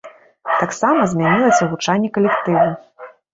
Таксама змянілася гучанне калектыву.